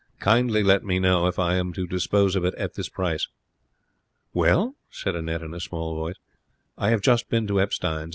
Kindly let me know if I am to dispose of it at this price."' 'Well?' said Annette, in a small voice. 'I have just been to Epstein's.